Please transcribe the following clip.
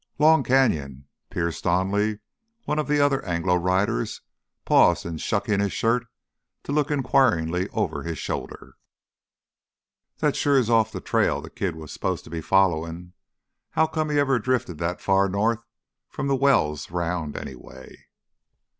"Long Canyon—" Perse Donally, one of the other Anglo riders, paused in shucking his shirt to look inquiringly over his shoulder. "That sure is off th' trail th' kid was supposed to be followin'. How come he ever drifted that far north from th' wells round, anyway?"